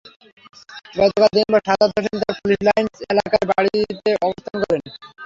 গতকাল দিনভর শাহাদাত হোসেন তাঁর পুলিশ লাইনস এলাকার বাড়িতে অবস্থান করেন।